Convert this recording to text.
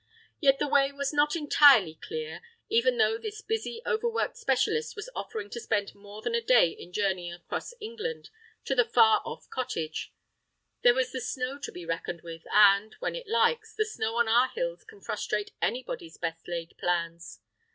Yet the way was not entirely clear, even though this busy, over worked specialist was offering to spend more than a day in journeying right across England to the far off cottage; there was the snow to be reckoned with, and, when it likes, the snow on our hills can frustrate anybody's best laid plans.